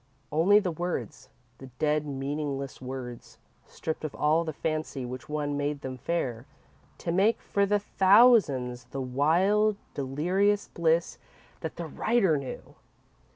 Only the words, the dead, meaningless words, stripped of all the fancy which once made them fair, to make for the thousands the wild, delirious bliss that the writer knew!